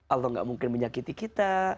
allah gak mungkin menyakiti kita